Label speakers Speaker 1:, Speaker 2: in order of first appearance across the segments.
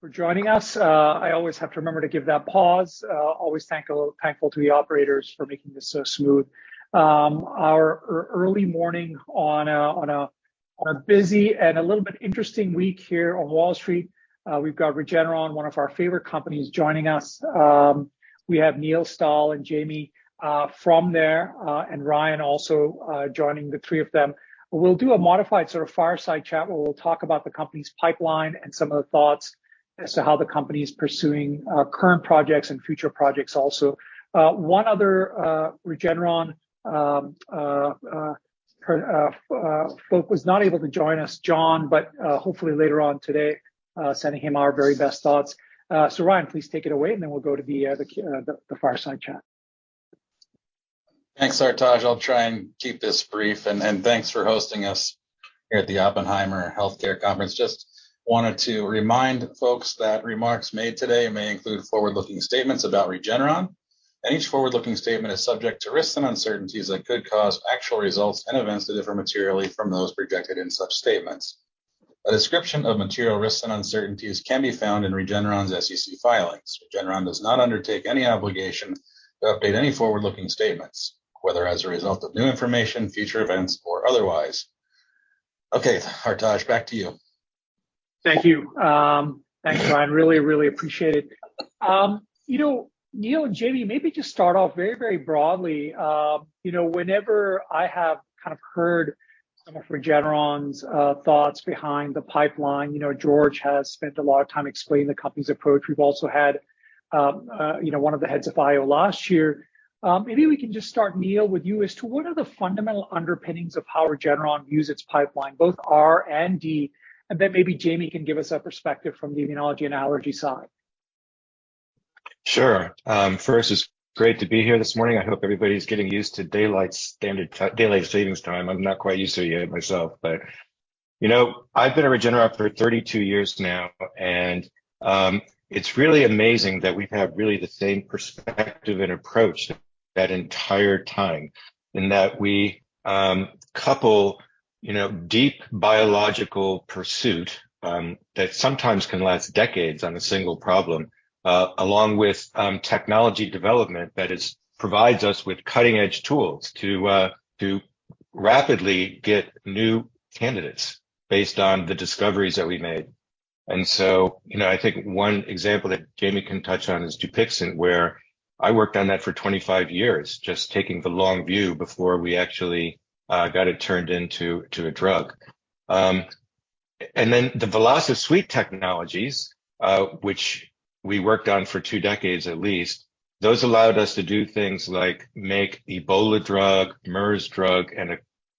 Speaker 1: For joining us. I always have to remember to give that pause. Always thankful to the operators for making this so smooth. early morning on a busy and a little bit interesting week here on Wall Street. We've got Regeneron, one of our favorite companies, joining us. We have Neil Stahl and Jamie from there, and Ryan also joining the three of them. We'll do a modified sort of fireside chat where we'll talk about the company's pipeline and some of the thoughts as to how the company's pursuing current projects and future projects also. One other Regeneron folk was not able to join us, John. Hopefully later on today, sending him our very best thoughts. Ryan, please take it away, and then we'll go to the fireside chat.
Speaker 2: Thanks, Hartaj. I'll try and keep this brief. Thanks for hosting us here at the Oppenheimer Healthcare Conference. Just wanted to remind folks that remarks made today may include forward-looking statements about Regeneron, and each forward-looking statement is subject to risks and uncertainties that could cause actual results and events to differ materially from those projected in such statements. A description of material risks and uncertainties can be found in Regeneron's SEC filings. Regeneron does not undertake any obligation to update any forward-looking statements, whether as a result of new information, future events, or otherwise. Okay, Hartaj, back to you.
Speaker 1: Thank you. Thanks, Ryan. Really appreciate it. You know, Neil and Jamie, maybe just start off very, very broadly. You know, whenever I have kind of heard some of Regeneron's thoughts behind the pipeline, you know, George has spent a lot of time explaining the company's approach. We've also had, you know, one of the heads of IO last year. Maybe we can just start, Neil, with you as to what are the fundamental underpinnings of how Regeneron views its pipeline, both R&D, and then maybe Jamie can give us a perspective from the immunology and allergy side.
Speaker 3: Sure. First, it's great to be here this morning. I hope everybody's getting used to daylight savings time. I'm not quite used to it yet myself. You know, I've been at Regeneron for 32 years now, it's really amazing that we've had really the same perspective and approach that entire time in that we, couple, you know, deep biological pursuit, that sometimes can last decades on a single problem, along with technology development that is provides us with cutting-edge tools to rapidly get new candidates based on the discoveries that we made. You know, I think one example that Jamie can touch on is Dupixent, where I worked on that for 25 years, just taking the long view before we actually got it turned into a drug. The VelociSuite technologies, which we worked on for two decades at least, those allowed us to do things like make Ebola drug, MERS drug, and a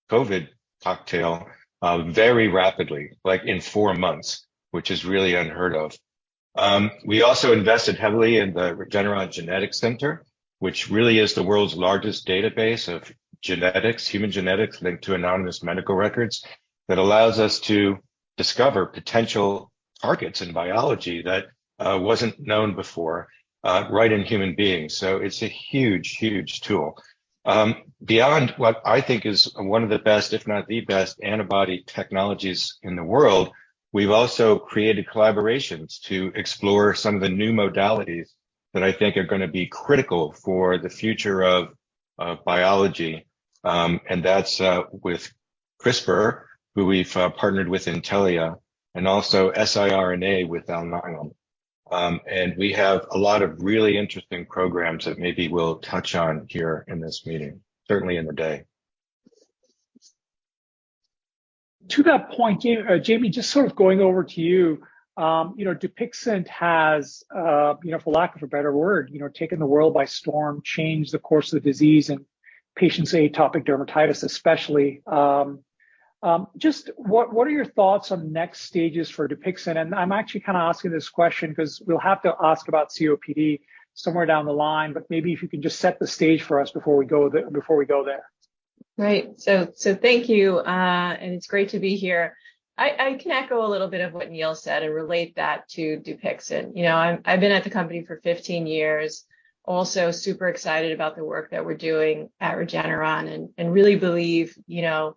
Speaker 3: COVID cocktail very rapidly, like in four months, which is really unheard of. We also invested heavily in the Regeneron Genetics Center, which really is the world's largest database of genetics, human genetics linked to anonymous medical records that allows us to discover potential targets in biology that wasn't known before right in human beings. It's a huge, huge tool. Beyond what I think is one of the best, if not the best, antibody technologies in the world, we've also created collaborations to explore some of the new modalities that I think are gonna be critical for the future of biology. That's with CRISPR, who we've partnered with Intellia, and also siRNA with Alnylam. We have a lot of really interesting programs that maybe we'll touch on here in this meeting, certainly in the day.
Speaker 1: To that point, Jamie, just sort of going over to you know, Dupixent has, you know, for lack of a better word, you know, taken the world by storm, changed the course of the disease in patients atopic dermatitis especially. Just what are your thoughts on next stages for Dupixent? I'm actually kinda asking this question 'cause we'll have to ask about COPD somewhere down the line, but maybe if you can just set the stage for us before we go there.
Speaker 2: Right. Thank you, and it's great to be here. I can echo a little bit of what Neil said and relate that to Dupixent. You know, I've been at the company for 15 years, also super excited about the work that we're doing at Regeneron and really believe, you know,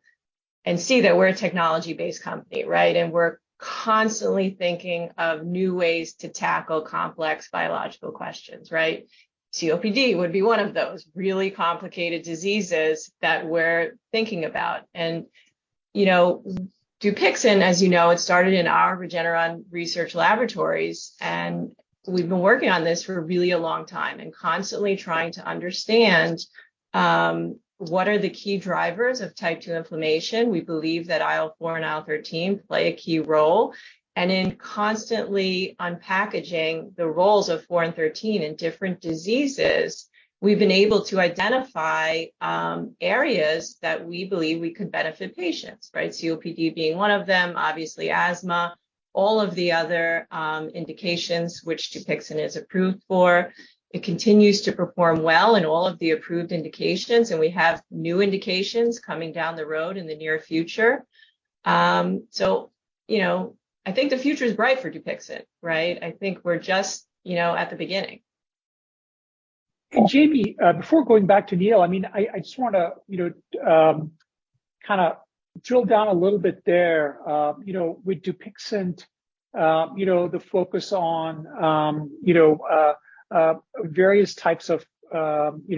Speaker 2: and see that we're a technology-based company, right? We're constantly thinking of new ways to tackle complex biological questions, right? COPD would be one of those really complicated diseases that we're thinking about. You know, Dupixent, as you know, it started in our Regeneron research laboratories, and we've been working on this for really a long time and constantly trying to understand what are the key drivers of Type 2 inflammation. We believe that IL-4 and IL-13 play a key role. In constantly unpackaging the roles of four and thirteen in different diseases, we've been able to identify areas that we believe we could benefit patients, right? COPD being one of them, obviously asthma, all of the other indications which Dupixent is approved for. It continues to perform well in all of the approved indications, and we have new indications coming down the road in the near future. You know, I think the future's bright for Dupixent, right? I think we're just, you know, at the beginning.
Speaker 1: Jamie, before going back to Neil, I mean, I just wanna, you know, kinda drill down a little bit there. You know, with Dupixent, you know, the focus on, you know, various types of, you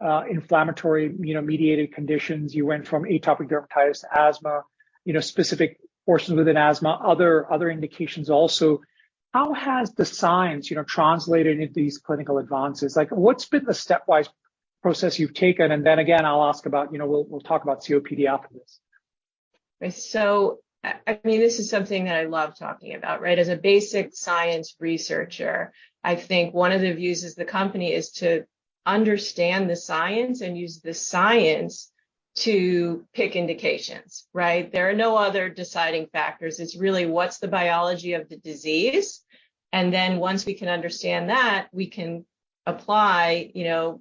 Speaker 1: know, inflammatory, you know, mediated conditions. You went from atopic dermatitis to asthma, you know, specific portions within asthma, other indications also. How has the science, you know, translated into these clinical advances? Like, what's been the stepwise process you've taken? Again, I'll ask about, you know, we'll talk about COPD after this.
Speaker 2: I mean, this is something that I love talking about, right? As a basic science researcher, I think one of the views as the company is to understand the science and use the science to pick indications, right? There are no other deciding factors. It's really what's the biology of the disease, and then once we can understand that, we can apply, you know,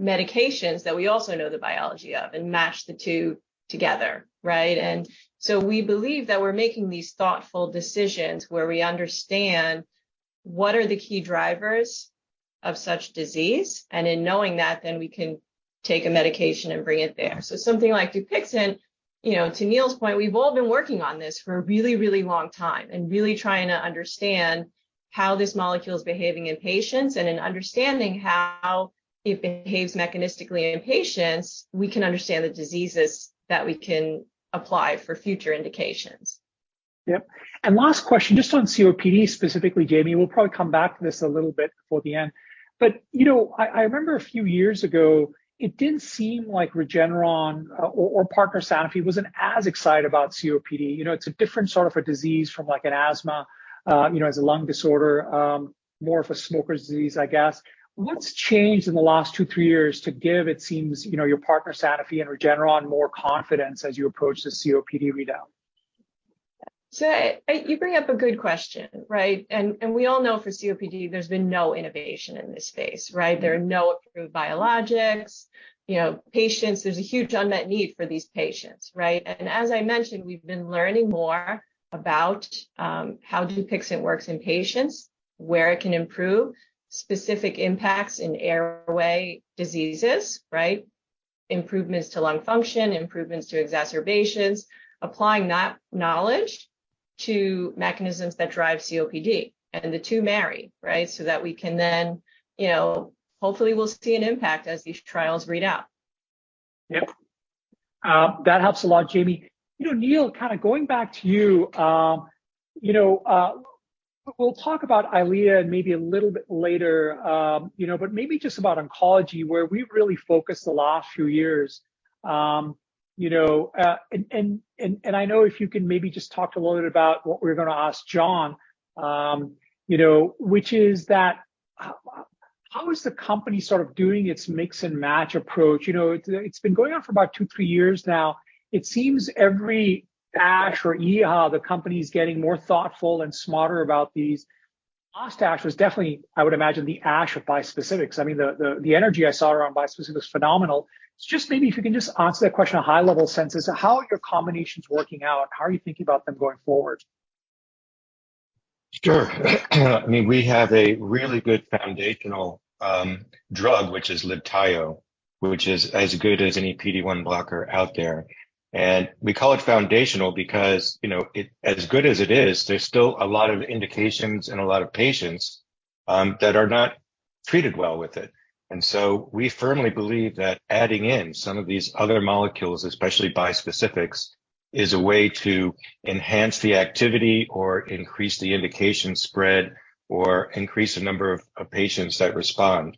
Speaker 2: medications that we also know the biology of and match the two together, right? We believe that we're making these thoughtful decisions where we understand what are the key drivers of such disease, and in knowing that, then we can take a medication and bring it there. Something like Dupixent, you know, to Neil's point, we've all been working on this for a really, really long time and really trying to understand how this molecule is behaving in patients. In understanding how it behaves mechanistically in patients, we can understand the diseases that we can apply for future indications.
Speaker 1: Yep. Last question, just on COPD specifically, Jamie. We'll probably come back to this a little bit before the end. You know, I remember a few years ago, it didn't seem like Regeneron or partner Sanofi wasn't as excited about COPD. You know, it's a different sort of a disease from like an asthma, you know, as a lung disorder, more of a smoker's disease, I guess. What's changed in the last two, three years to give, it seems, you know, your partner Sanofi and Regeneron more confidence as you approach the COPD readout?
Speaker 2: You bring up a good question, right? We all know for COPD, there's been no innovation in this space, right? There are no approved biologics. You know, patients, there's a huge unmet need for these patients, right? As I mentioned, we've been learning more about how Dupixent works in patients, where it can improve specific impacts in airway diseases, right? Improvements to lung function, improvements to exacerbations, applying that knowledge to mechanisms that drive COPD. The two marry, right? We can then, you know, hopefully will see an impact as these trials read out.
Speaker 1: Yep. That helps a lot, Jamie. You know, Neil, kinda going back to you know, we'll talk about EYLEA maybe a little bit later, you know, but maybe just about oncology, where we've really focused the last few years. You know, and I know if you can maybe just talk a little bit about what we're gonna ask John, you know, which is that how is the company sort of doing its mix and match approach? You know, it's been going on for about two, three years now. It seems every ASH or EHA, the company's getting more thoughtful and smarter about these. Last ASH was definitely, I would imagine, the ASH of bispecifics. I mean, the energy I saw around bispecifics was phenomenal. Just maybe if you can just answer that question, a high-level sense as to how are your combinations working out? How are you thinking about them going forward?
Speaker 3: Sure. I mean, we have a really good foundational drug, which is Libtayo, which is as good as any PD-1 blocker out there. We call it foundational because, you know, as good as it is, there's still a lot of indications in a lot of patients that are not treated well with it. We firmly believe that adding in some of these other molecules, especially bispecifics, is a way to enhance the activity or increase the indication spread, or increase the number of patients that respond.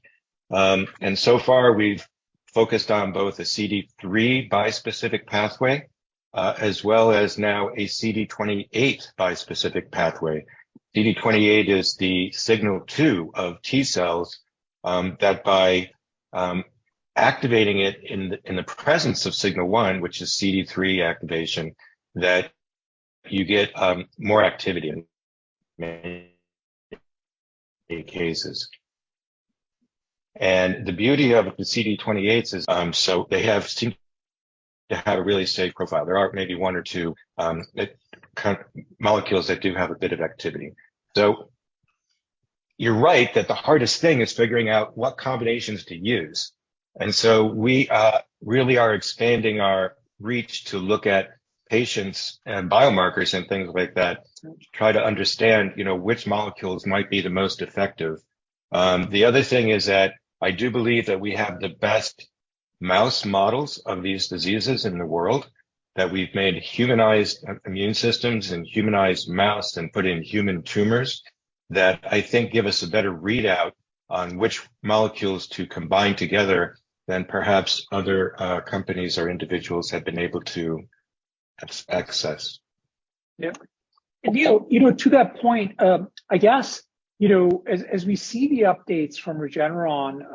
Speaker 3: So far, we've focused on both a CD3 bispecific pathway, as well as now a CD28 bispecific pathway. CD28 is the signal two of T cells that by activating it in the presence of signal one, which is CD3 activation, that you get more activity in many cases. The beauty of the CD28s is, they have seemed to have a really safe profile. There are maybe one or two molecules that do have a bit of activity. You're right that the hardest thing is figuring out what combinations to use. We really are expanding our reach to look at patients and biomarkers and things like that to try to understand, you know, which molecules might be the most effective. The other thing is that I do believe that we have the best mouse models of these diseases in the world, that we've made humanized immune systems and humanized mouse and put in human tumors that I think give us a better readout on which molecules to combine together than perhaps other companies or individuals have been able to access.
Speaker 1: Yeah. Neil, you know, to that point, I guess, you know, as we see the updates from Regeneron,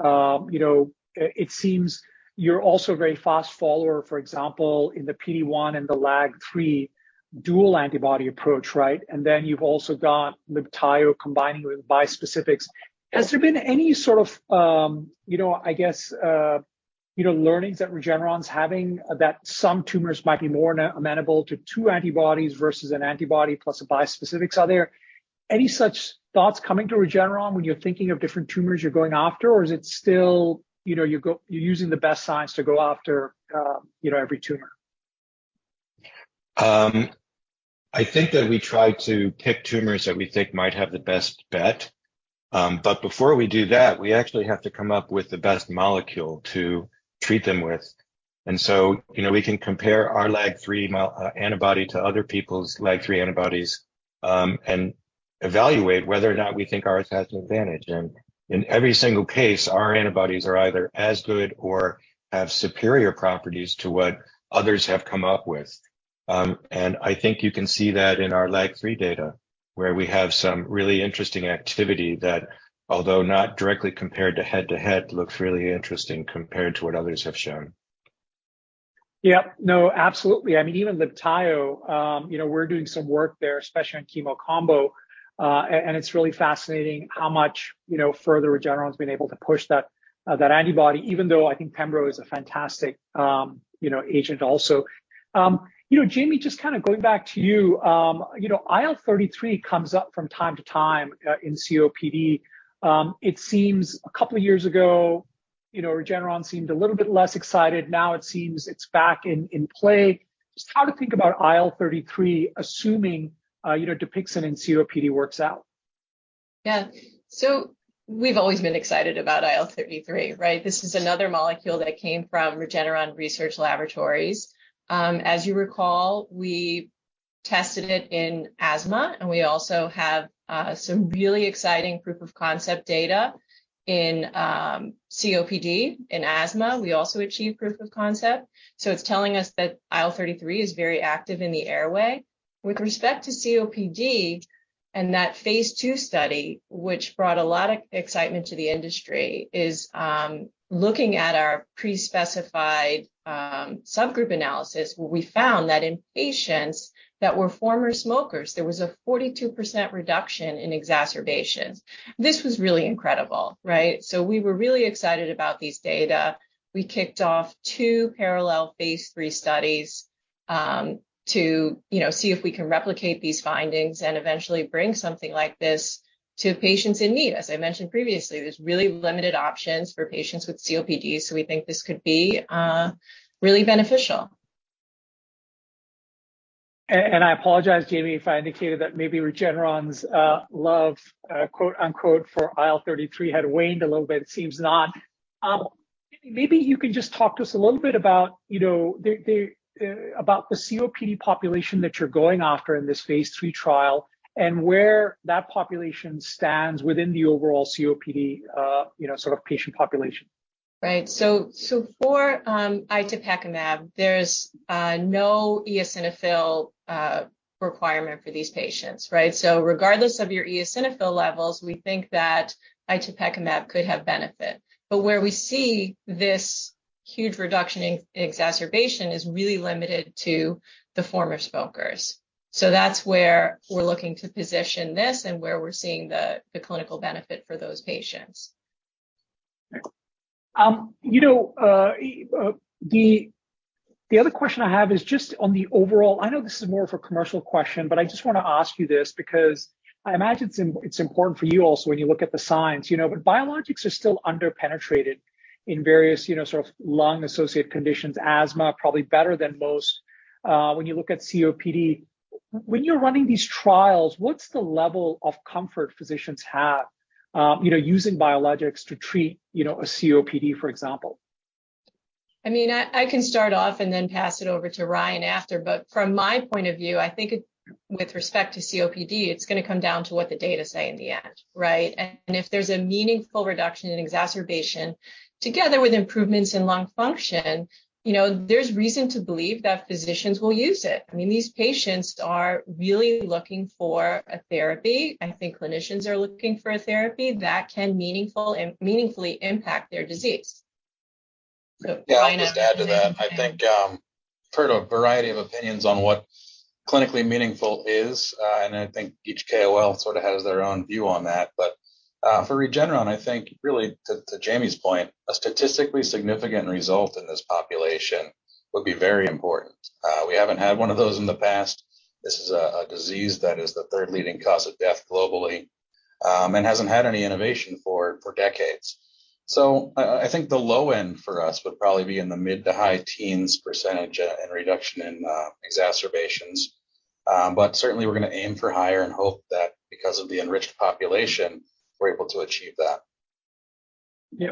Speaker 1: it seems you're also a very fast follower, for example, in the PD-1 and the LAG-3 dual antibody approach, right? Then you've also got Libtayo combining with bispecifics. Has there been any sort of, you know, I guess, you know, learnings that Regeneron's having that some tumors might be more amenable to two antibodies versus an antibody plus a bispecific? Are there any such thoughts coming to Regeneron when you're thinking of different tumors you're going after, or is it still, you know, You're using the best science to go after, you know, every tumor?
Speaker 3: I think that we try to pick tumors that we think might have the best bet, but before we do that, we actually have to come up with the best molecule to treat them with. You know, we can compare our LAG-3 antibody to other people's LAG-3 antibodies, and evaluate whether or not we think ours has an advantage. In every single case, our antibodies are either as good or have superior properties to what others have come up with. I think you can see that in our LAG-3 data, where we have some really interesting activity that, although not directly compared to head-to-head, looks really interesting compared to what others have shown.
Speaker 1: Yeah. No, absolutely. I mean, even the Libtayo, you know, we're doing some work there, especially on chemo combo, and it's really fascinating how much, you know, further Regeneron's been able to push that antibody, even though I think Pembrolizumab is a fantastic, you know, agent also. You know, Jamie, just kind of going back to you know, IL-33 comes up from time to time in COPD. It seems a couple of years ago, you know, Regeneron seemed a little bit less excited. Now it seems it's back in play. Just how to think about IL-33, assuming, you know, Dupixent and COPD works out.
Speaker 2: Yeah. We've always been excited about IL-33, right? This is another molecule that came from Regeneron Research Laboratories. As you recall, we tested it in asthma, and we also have some really exciting proof of concept data in COPD. In asthma, we also achieved proof of concept, so it's telling us that IL-33 is very active in the airway. With respect to COPD and that phase II study, which brought a lot of excitement to the industry, is looking at our pre-specified subgroup analysis where we found that in patients that were former smokers, there was a 42% reduction in exacerbations. This was really incredible, right? We were really excited about these data. We kicked off two parallel phase III studies, to, you know, see if we can replicate these findings and eventually bring something like this to patients in need. As I mentioned previously, there's really limited options for patients with COPD, so we think this could be really beneficial.
Speaker 1: I apologize, Jamie, if I indicated that maybe Regeneron's love, quote, unquote, "for IL-33" had waned a little bit. It seems not. Maybe you can just talk to us a little bit about, you know, the, about the COPD population that you're going after in this phase III trial and where that population stands within the overall COPD, you know, sort of patient population.
Speaker 2: Right. For itepekimab, there's no eosinophil requirement for these patients, right? Regardless of your eosinophil levels, we think that itepekimab could have benefit. Where we see this huge reduction in exacerbation is really limited to the former smokers. That's where we're looking to position this and where we're seeing the clinical benefit for those patients.
Speaker 1: you know, the other question I have is just on the overall... I know this is more of a commercial question, but I just wanna ask you this because I imagine it's important for you also when you look at the science, you know, biologics are still under-penetrated in various, you know, sort of lung-associated conditions. Asthma probably better than most, when you look at COPD. When you're running these trials, what's the level of comfort physicians have, you know, using biologics to treat, you know, a COPD, for example?
Speaker 2: I mean, I can start off and then pass it over to Ryan after. From my point of view, I think with respect to COPD, it's gonna come down to what the data say in the end, right? If there's a meaningful reduction in exacerbation together with improvements in lung function, you know, there's reason to believe that physicians will use it. I mean, these patients are really looking for a therapy. I think clinicians are looking for a therapy that can meaningfully impact their disease. Ryan is. Yeah, I'll just add to that. I think heard a variety of opinions on what clinically meaningful is, and I think each KOL sort of has their own view on that. For Regeneron, I think really to Jamie's point, a statistically significant result in this population would be very important. We haven't had one of those in the past. This is a disease that is the third leading cause of death globally, and hasn't had any innovation for decades. I think the low end for us would probably be in the mid to high teens percentage in reduction in exacerbations. Certainly we're gonna aim for higher and hope that because of the enriched population, we're able to achieve that.
Speaker 1: Yeah.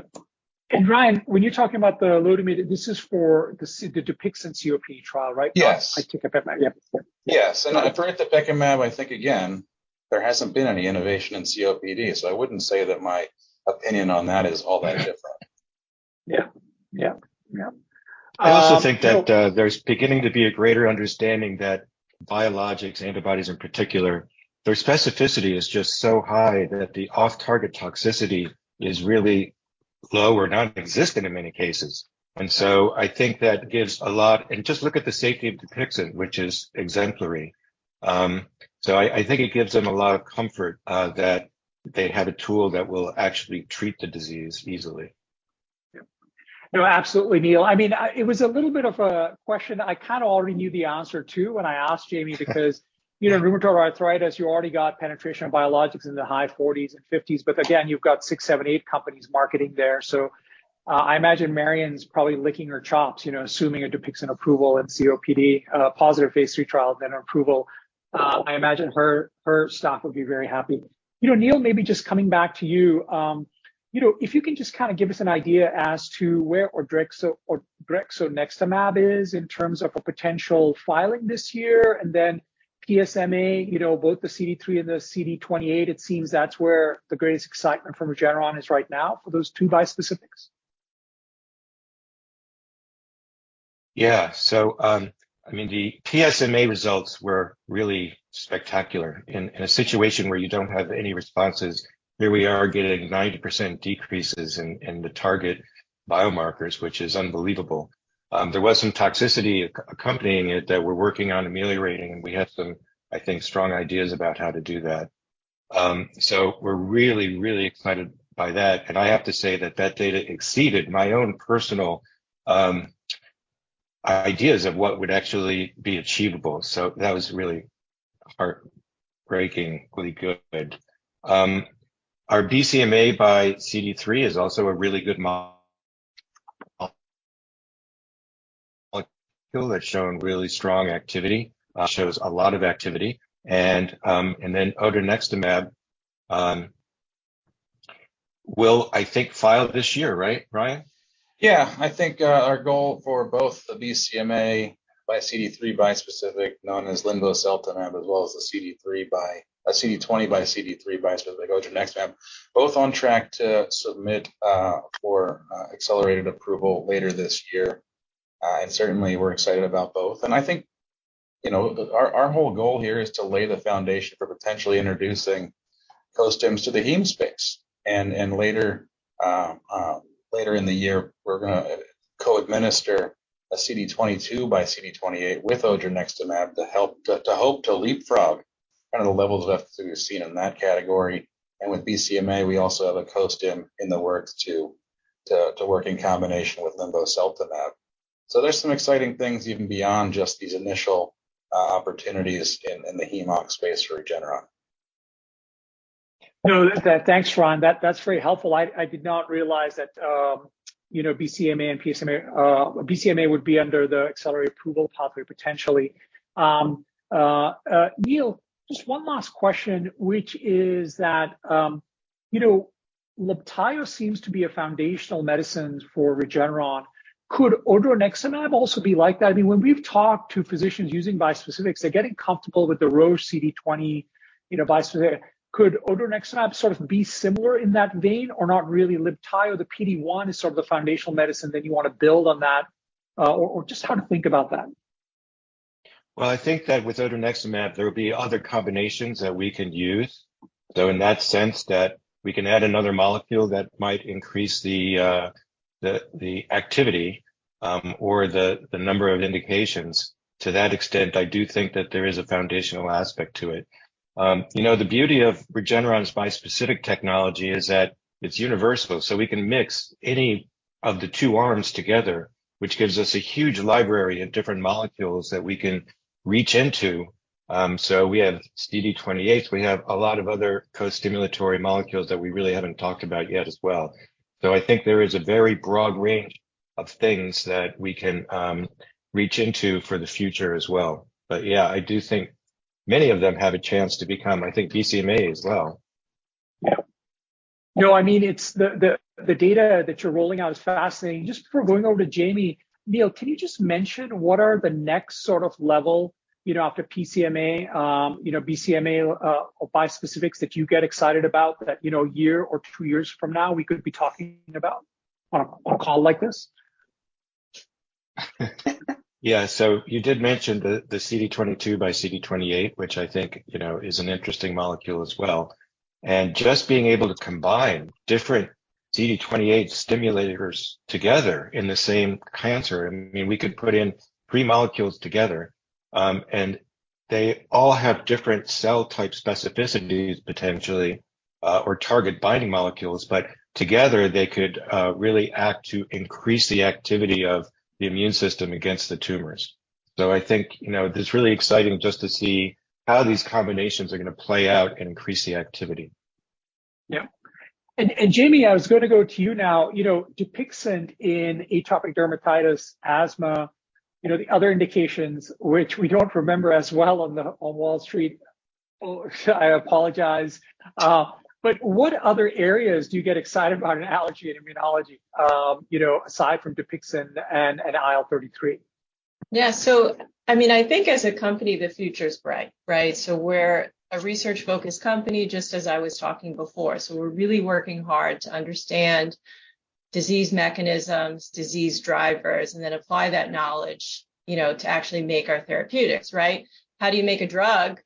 Speaker 1: Ryan, when you're talking about the low to mid, this is for the Dupixent COPD trial, right?
Speaker 2: Yes.
Speaker 1: Itepekimab. Yep. Yep.
Speaker 2: Yes. For itepekimab, I think again, there hasn't been any innovation in COPD, so I wouldn't say that my opinion on that is all that different.
Speaker 1: Yeah. Yeah. Yeah.
Speaker 3: I also think that there's beginning to be a greater understanding that biologics, antibodies in particular, their specificity is just so high that the off-target toxicity is really low or nonexistent in many cases. I think that gives a lot... Just look at the safety of Dupixent, which is exemplary. I think it gives them a lot of comfort that they have a tool that will actually treat the disease easily.
Speaker 1: Yeah. No, absolutely, Neil. I mean, it was a little bit of a question I kinda already knew the answer to when I asked Jamie because, you know, rheumatoid arthritis, you already got penetration biologics in the high 40s and 50s, again, you've got six, seven, eight companies marketing there. I imagine Marion's probably licking her chops, you know, assuming Dupixent approval in COPD, a positive phase III trial, approval. I imagine her stock will be very happy. You know, Neil, maybe just coming back to you know, if you can just kinda give us an idea as to where Odronextamab is in terms of a potential filing this year, PSMA, you know, both the CD3 and the CD28, it seems that's where the greatest excitement from Regeneron is right now for those two bispecifics.
Speaker 3: Yeah. I mean, the PSMA results were really spectacular. In a situation where you don't have any responses, here we are getting 90% decreases in the target biomarkers, which is unbelievable. There was some toxicity accompanying it that we're working on ameliorating, and we have some, I think, strong ideas about how to do that. We're really, really excited by that. I have to say that that data exceeded my own personal ideas of what would actually be achievable, so that was really heartbreakingly good. Our BCMA by CD3 is also a really good molecule that's shown really strong activity. Shows a lot of activity. odronextamab will, I think, file this year, right, Ryan?
Speaker 2: Yeah. I think our goal for both the BCMA by CD3 bispecific, known as linvoseltumab, as well as the CD20 by CD3 bispecific, Odronextamab, both on track to submit for accelerated approval later this year. Certainly we're excited about both. I think, you know, our whole goal here is to lay the foundation for potentially introducing co-stims to the heme space. Later in the year, we're gonna co-administer a CD22 by CD28 with Odronextamab to hope to leapfrog kind of the levels of efficacy we've seen in that category. With BCMA, we also have a co-stim in the works to work in combination with linvoseltumab. There's some exciting things even beyond just these initial opportunities in the hemo space for Regeneron.
Speaker 1: No, that. Thanks, Ryan. That's very helpful. I did not realize that, you know, BCMA and PSMA. BCMA would be under the accelerated approval pathway, potentially. Neil, just one last question, which is that, you know, Libtayo seems to be a foundational medicine for Regeneron. Could Odronextamab also be like that? I mean, when we've talked to physicians using bispecifics, they're getting comfortable with the Roche CD20, you know, bispecific. Could Odronextamab sort of be similar in that vein or not really? Libtayo, the PD-1, is sort of the foundational medicine, then you wanna build on that, or just how to think about that?
Speaker 3: Well, I think that with Odronextamab, there'll be other combinations that we can use, so in that sense that we can add another molecule that might increase the activity, or the number of indications. To that extent, I do think that there is a foundational aspect to it. you know, the beauty of Regeneron's bispecific technology is that it's universal, so we can mix any of the two arms together, which gives us a huge library of different molecules that we can reach into. We have CD28, we have a lot of other co-stimulatory molecules that we really haven't talked about yet as well. I think there is a very broad range of things that we can reach into for the future as well. Yeah, I do think many of them have a chance to become... I think BCMA as well.
Speaker 1: Yeah. No, I mean, it's the data that you're rolling out is fascinating. Just before going over to Jamie, Neil, can you just mention what are the next sort of level, you know, after BCMA or bispecifics that you get excited about that, you know, a year or two years from now we could be talking about on a call like this?
Speaker 3: Yeah. You did mention the CD22 by CD28, which I think, you know, is an interesting molecule as well. Just being able to combine different CD28 stimulators together in the same cancer, I mean, we could put in three molecules together, and they all have different cell type specificities potentially, or target binding molecules, but together they could really act to increase the activity of the immune system against the tumors. I think, you know, it's really exciting just to see how these combinations are gonna play out and increase the activity.
Speaker 1: Yeah. Jamie, I was gonna go to you now. You know Dupixent in atopic dermatitis, asthma, you know, the other indications, which we don't remember as well on the, on Wall Street, or I apologize, but what other areas do you get excited about in allergy and immunology, you know, aside from Dupixent and IL-33?
Speaker 2: Yeah. I mean, I think as a company, the future is bright, right? We're a research-focused company, just as I was talking before. We're really working hard to understand disease mechanisms, disease drivers, and then apply that knowledge, you know, to actually make our therapeutics, right? How do you make a drug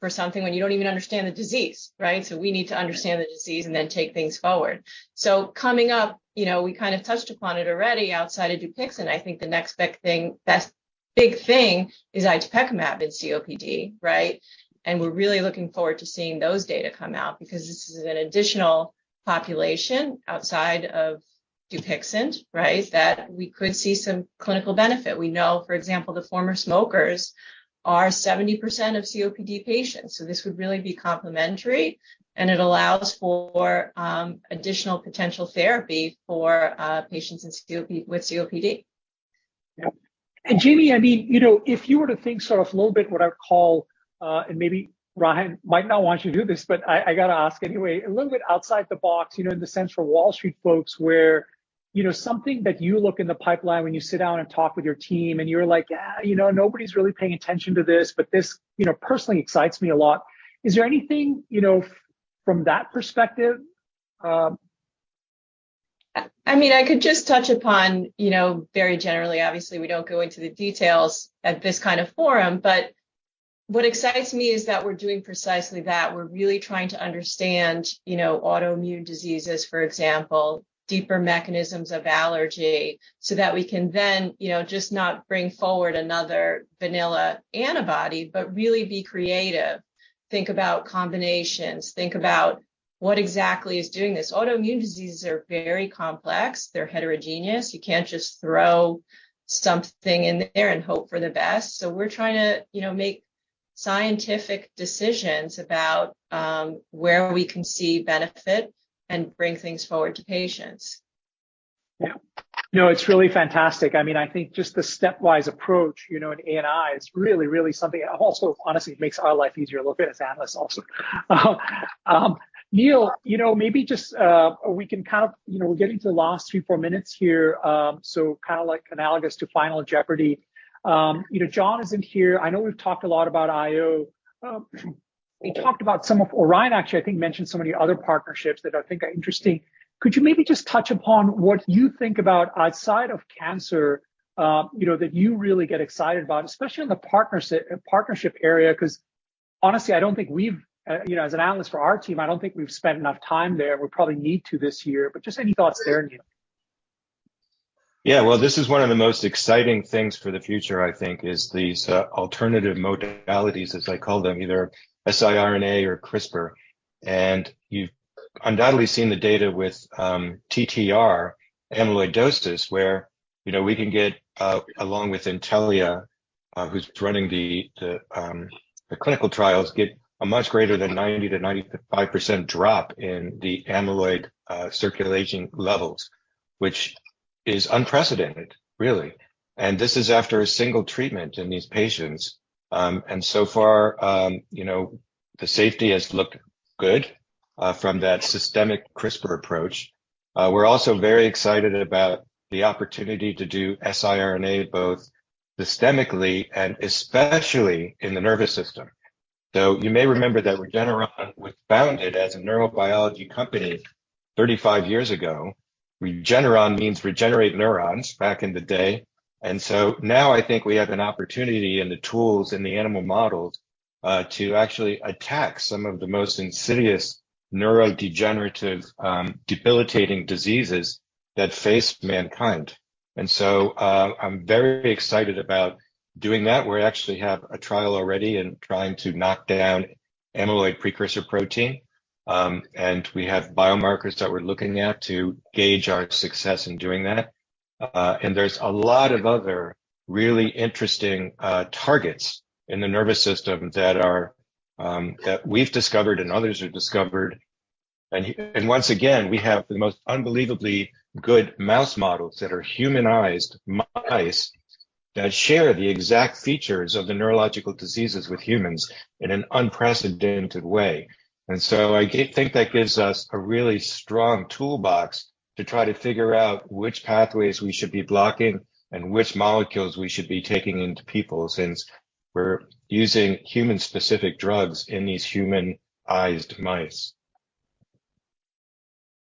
Speaker 2: for something when you don't even understand the disease, right? We need to understand the disease and then take things forward. Coming up, you know, we kind of touched upon it already outside of Dupixent. I think the next big thing is itepekimab in COPD, right? We're really looking forward to seeing those data come out because this is an additional population outside of Dupixent, right? That we could see some clinical benefit. We know, for example, the former smokers are 70% of COPD patients. This would really be complementary. It allows for additional potential therapy for patients with COPD.
Speaker 1: Yeah. Jamie, I mean, you know, if you were to think sort of a little bit what I would call, and maybe Ryan might not want you to do this, but I gotta ask anyway. A little bit outside the box, you know, in the sense for Wall Street folks where, you know, something that you look in the pipeline when you sit down and talk with your team and you're like, "You know, nobody's really paying attention to this, but this, you know, personally excites me a lot." Is there anything, you know, from that perspective?
Speaker 2: I mean, I could just touch upon, you know, very generally. Obviously, we don't go into the details at this kind of forum, but what excites me is that we're doing precisely that. We're really trying to understand, you know, autoimmune diseases, for example, deeper mechanisms of allergy, so that we can then, you know, just not bring forward another vanilla antibody, but really be creative. Think about combinations. Think about what exactly is doing this. Autoimmune diseases are very complex. They're heterogeneous. You can't just throw something in there and hope for the best. We're trying to, you know, make scientific decisions about where we can see benefit and bring things forward to patients.
Speaker 1: Yeah. No, it's really fantastic. I mean, I think just the stepwise approach, you know, in ANIs, really something also honestly makes our life easier a little bit as analysts also. Neil, you know, maybe just we can kind of. You know, we're getting to the last three, four minutes here, so kinda like analogous to Final Jeopardy!. You know, John isn't here. I know we've talked a lot about IO. We talked about some of Orion actually I think mentioned some of the other partnerships that I think are interesting. Could you maybe just touch upon what you think about outside of cancer, you know, that you really get excited about, especially in the partnership area 'cause honestly, I don't think we've, you know, as an analyst for our team, I don't think we've spent enough time there. We probably need to this year. Just any thoughts there, Neil?
Speaker 3: Well, this is one of the most exciting things for the future I think, is these alternative modalities, as I call them, either siRNA or CRISPR. You've undoubtedly seen the data with TTR amyloidosis where, you know, we can get, along with Intellia, who's running the clinical trials, get a much greater than 90%-95% drop in the amyloid circulation levels, which is unprecedented really. This is after a single treatment in these patients. So far, you know, the safety has looked good from that systemic CRISPR approach. We're also very excited about the opportunity to do siRNA both systemically and especially in the nervous system. You may remember that Regeneron was founded as a neurobiology company 35 years ago. Regeneron means regenerate neurons back in the day. Now I think we have an opportunity and the tools in the animal models to actually attack some of the most insidious neurodegenerative, debilitating diseases that face mankind. I'm very excited about doing that. We actually have a trial already in trying to knock down amyloid precursor protein. We have biomarkers that we're looking at to gauge our success in doing that. There's a lot of other really interesting targets in the nervous system that are that we've discovered and others have discovered. Once again, we have the most unbelievably good mouse models that are humanized mice that share the exact features of the neurological diseases with humans in an unprecedented way. I think that gives us a really strong toolbox to try to figure out which pathways we should be blocking and which molecules we should be taking into people since we're using human-specific drugs in these humanized mice.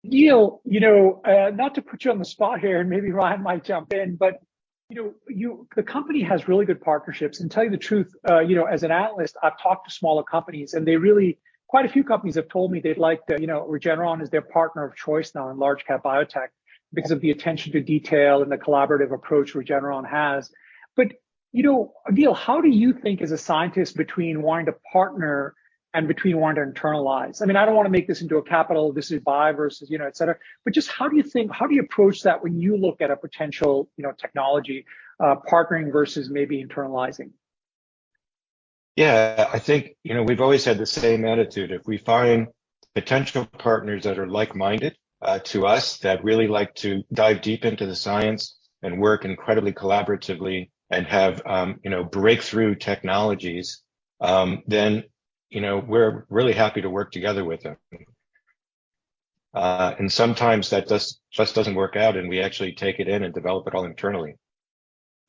Speaker 1: Neil, you know, not to put you on the spot here, and maybe Ryan might jump in, but, you know, the company has really good partnerships. Tell you the truth, you know, as an analyst, I've talked to smaller companies, and quite a few companies have told me they'd like to, you know, Regeneron as their partner of choice now in large cap biotech because of the attention to detail and the collaborative approach Regeneron has. You know, Neil, how do you think as a scientist between wanting to partner and between wanting to internalize? I mean, I don't wanna make this into a capital, this is buy versus, you know, et cetera. Just how do you approach that when you look at a potential, you know, technology, partnering versus maybe internalizing?
Speaker 3: Yeah. I think, you know, we've always had the same attitude. If we find potential partners that are like-minded, to us, that really like to dive deep into the science and work incredibly collaboratively and have, you know, breakthrough technologies, then, you know, we're really happy to work together with them. Sometimes that just doesn't work out, and we actually take it in and develop it all internally.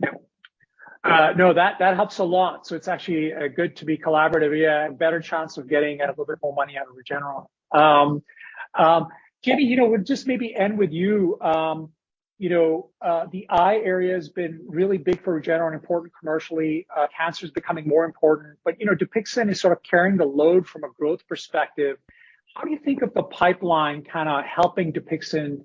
Speaker 1: Yeah. No, that helps a lot. It's actually good to be collaborative. Yeah, a better chance of getting a little bit more money out of Regeneron. Jamie, you know, we'll just maybe end with you. You know, the eye area has been really big for Regeneron, important commercially. Cancer's becoming more important. You know, Dupixent is sort of carrying the load from a growth perspective. How do you think of the pipeline kinda helping Dupixent,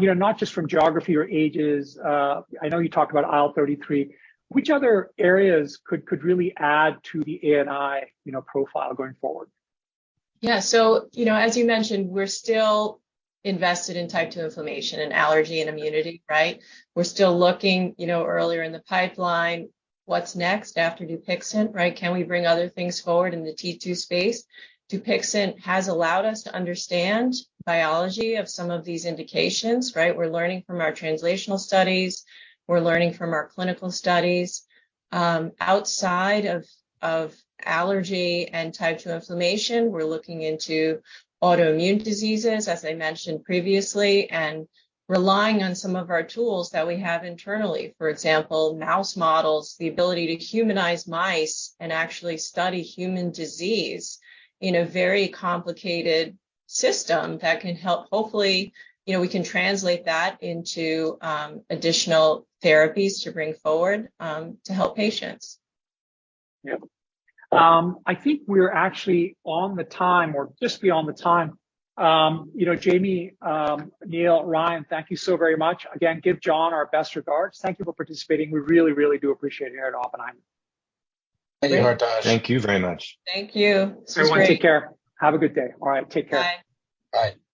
Speaker 1: you know, not just from geography or ages? I know you talked about IL-33. Which other areas could really add to the Ang2, you know, profile going forward?
Speaker 2: You know, as you mentioned, we're still invested in Type 2 inflammation and allergy and immunity, right? We're still looking, you know, earlier in the pipeline, what's next after Dupixent, right? Can we bring other things forward in the T2 space? Dupixent has allowed us to understand biology of some of these indications, right? We're learning from our translational studies. We're learning from our clinical studies. Outside of allergy and Type 2 inflammation, we're looking into autoimmune diseases, as I mentioned previously, and relying on some of our tools that we have internally. For example, mouse models, the ability to humanize mice and actually study human disease in a very complicated system that can help. Hopefully, you know, we can translate that into additional therapies to bring forward to help patients.
Speaker 1: Yeah. I think we're actually on the time or just beyond the time. You know, Jamie, Neil, Ryan, thank you so very much. Again, give John our best regards. Thank you for participating. We really do appreciate it here at Oppenheimer.
Speaker 2: Thank you, Hartaj.
Speaker 3: Thank you very much.
Speaker 2: Thank you. This was great.
Speaker 1: Everyone, take care. Have a good day. All right, take care.
Speaker 2: Bye. Bye.